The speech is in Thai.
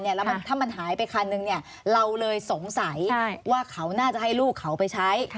แล้วถ้ามันหายไปคันหนึ่งเราเลยสงสัยว่าเขาน่าจะให้ลูกเขาไปใช้